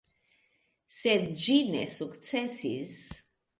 Sed ĝi ne sukcesis.